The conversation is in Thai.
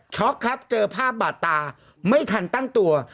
ครับเจอภาพบาดตาไม่ทันตั้งตัว